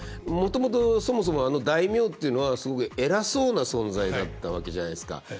もともとそもそもあの大名っていうのはすごく偉そうな存在だったわけじゃないですか。